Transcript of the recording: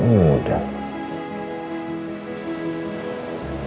aku beli ke dalam pieta